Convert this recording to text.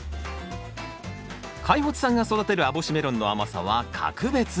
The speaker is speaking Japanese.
開發さんが育てる網干メロンの甘さは格別。